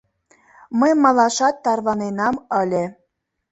Мый малашат тарваненам ыле.